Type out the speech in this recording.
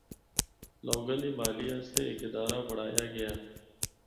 لوگاں دی بحالی اسطے ہک ادارہ بنڑایا گیا۔